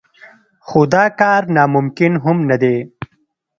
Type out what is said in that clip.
خو دا کار ناممکن هم نه دی.